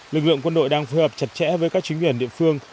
lực lượng quân đội đang phối hợp chặt chẽ với các chính quyền địa phương